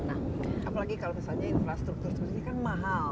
apalagi kalau misalnya infrastruktur ini kan mahal